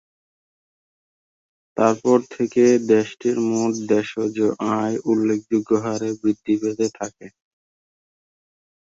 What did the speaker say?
তারপর থেকে দেশটির মোট দেশজ আয় উল্লেখযোগ্য হারে বৃদ্ধি পেতে থাকে।